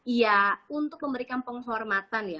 iya untuk memberikan penghormatan ya